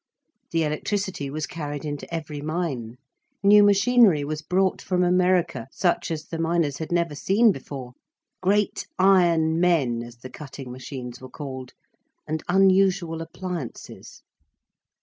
The electricity was carried into every mine. New machinery was brought from America, such as the miners had never seen before, great iron men, as the cutting machines were called, and unusual appliances.